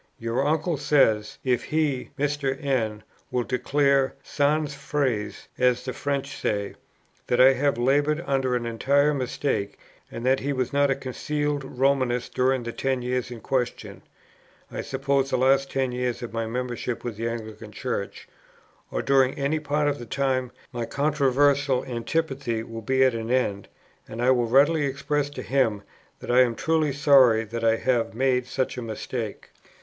Your uncle says, 'If he (Mr. N.) will declare, sans phrase, as the French say, that I have laboured under an entire mistake, and that he was not a concealed Romanist during the ten years in question,' (I suppose, the last ten years of my membership with the Anglican Church,) 'or during any part of the time, my controversial antipathy will be at an end, and I will readily express to him that I am truly sorry that I have made such a mistake.'